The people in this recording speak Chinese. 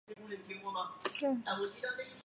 王熙凤是王子胜的女儿。